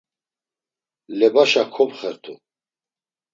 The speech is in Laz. Lebaşa kopxertu.